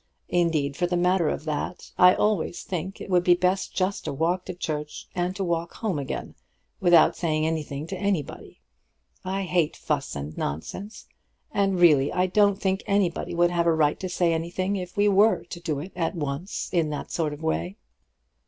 Indeed, for the matter of that, I always think it would be best just to walk to church and to walk home again without saying anything to anybody. I hate fuss and nonsense, and really I don't think anybody would have a right to say anything if we were to do it at once in that sort of way.